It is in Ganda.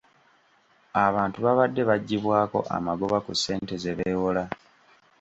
Abantu babadde baggyibwako amagoba ku ssente ze beewola.